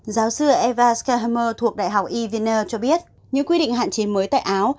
giáo sư eva schermer thuộc đại học y vn cho biết những quy định hạn chế mới tại áo